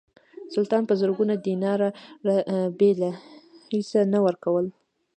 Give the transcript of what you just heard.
سلطان په زرګونو دیناره بېله هیڅه نه ورکول.